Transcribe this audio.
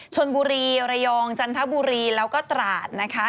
ชนบุรีระยองจันทบุรีแล้วก็ตราดนะคะ